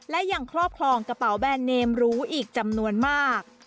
และยังครอบครองกระเป๋าแบรนดเนมหรูอีกจำนวนมาก